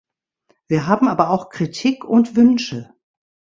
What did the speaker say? Wir haben aber auch Kritik und Wünsche.